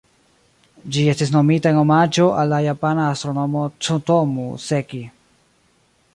Ĝi estis nomita en omaĝo al la japana astronomo Tsutomu Seki.